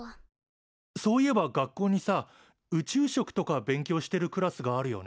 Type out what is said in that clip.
そういえば学校にさ宇宙食とか勉強してるクラスがあるよね？